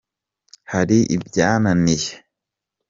hari ibyananiye.